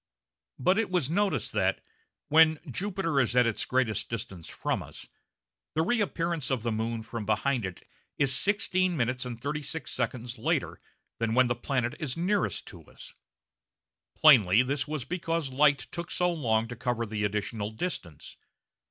But it was noticed that, when Jupiter is at its greatest distance from us, the reappearance of the moon from behind it is 16 minutes and 36 seconds later than when the planet is nearest to us. Plainly this was because light took so long to cover the additional distance.